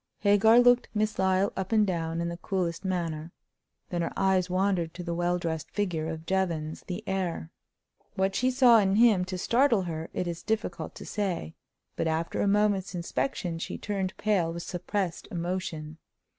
Hagar looked Miss Lyle up and down in the coolest manner; then her eyes wandered to the well dressed figure of Jevons, the heir. What she saw in him to startle her it is difficult to say; but after a moment's inspection she turned pale with suppressed emotion.